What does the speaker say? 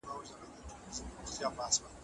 که پانګه وي نو اقتصاد به وده وکړي.